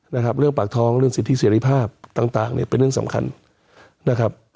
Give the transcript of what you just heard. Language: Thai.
นะครับเรื่องปากท้องเรื่องสิทธิเสรีภาพต่างต่างเนี่ยเป็นเรื่องสำคัญนะครับ